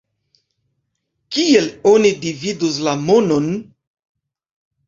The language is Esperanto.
Kiel oni dividos la monon?